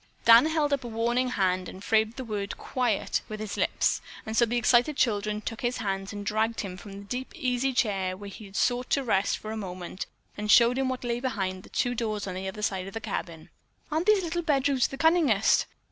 Dan held up a warning hand and framed the word "quiet" with his lips, and so the excited children took his hands and dragged him from the deep easy chair where he had sought to rest for a moment and showed him what lay behind the two doors on the other side of the cabin. "Aren't these little bedrooms the cunningest?"